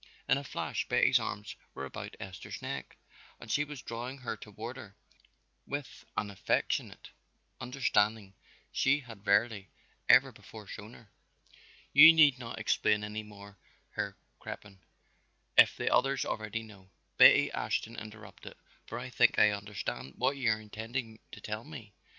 In a flash Betty's arms were about Esther's neck and she was drawing her toward her with an affectionate understanding she had rarely ever before shown her. "You need not explain any more, Herr Crippen, if the others already know," Betty Ashton interrupted, "for I think I understand what you are intending to tell me.